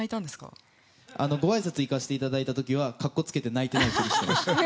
ごあいさつ行かせていただいた時は格好つけて泣いてないふりして。